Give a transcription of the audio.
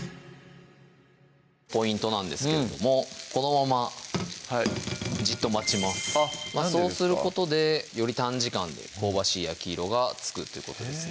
ポイントなんですけれどもこのままじっと待ちますそうすることでより短時間で香ばしい焼き色がつくってことですね